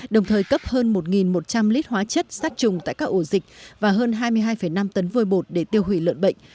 đồng thời cấp hơn một một trăm linh lít hóa chất sát trùng tại các ổ dịch và hơn hai mươi hai năm tấn vôi bột để tiêu hủy lợn bệnh